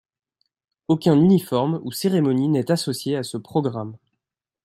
Aucun uniforme ou cérémonie n'est associé à ce programme.